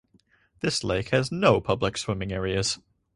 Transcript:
This lake has no public swimming areas.